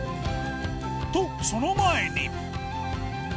とその前に。